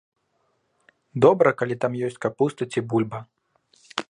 Добра, калі там ёсць капуста ці бульба.